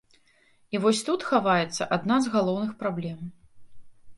І вось тут хаваецца адна з галоўных праблем.